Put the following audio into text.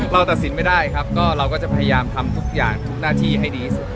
ตัดสินไม่ได้ครับก็เราก็จะพยายามทำทุกอย่างทุกหน้าที่ให้ดีที่สุด